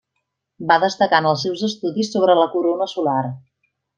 Va destacar en els seus estudis sobre la corona solar.